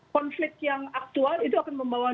konflik yang aktual itu akan membawa